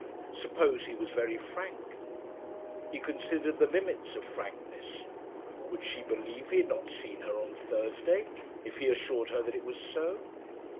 Suppose he was very frank He considered the limits of frankness. Would she believe he had not seen her on Thursday? if he assured her that it was so?